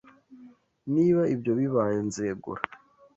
Niba ibyo bibaye, nzegura.